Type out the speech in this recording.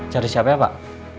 cari siapa ya pak